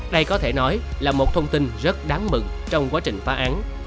đây có thể nói là một thông tin rất đáng mừng trong quá trình phá án